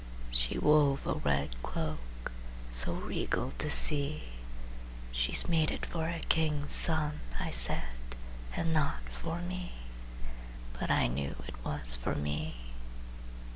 She wove a red cloak So regal to see, "She's made it for a king's son," I said, "and not for me." But I knew it was for me.